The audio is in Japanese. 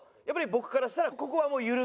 やっぱり僕からしたらここはもう。